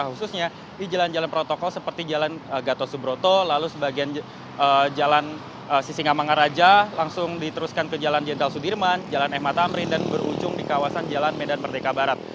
khususnya di jalan jalan protokol seperti jalan gatot subroto lalu sebagian jalan sisingamangaraja langsung diteruskan ke jalan jenderal sudirman jalan mh tamrin dan berujung di kawasan jalan medan merdeka barat